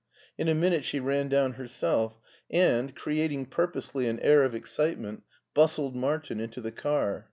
In a minute she ran down herself, and, creating pur posely an air of excitement, bustled Martin into the car.